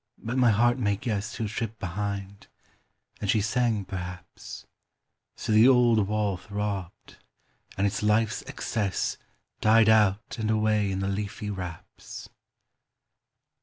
But my heart may guess Who tripped behind; and she sang, perhaps: So the old wall throbbed, and its life's excess Died out and away in the leafy wraps.